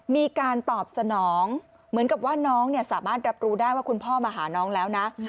มีการตอบสนองเหมือนกับว่าน้องสามารถรับรู้ได้ว่าคุณพ่อมาหาน้องแล้วนะ